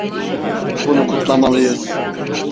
Bunu kutlamalıyız.